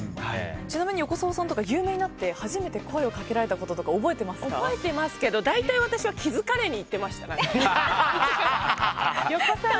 ちなみに横澤さんとか有名になって初めて声をかけられたことって覚えてますけど、大体私は気付かれに行ってました自ら。